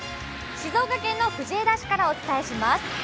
静岡県の藤枝市からお伝えします。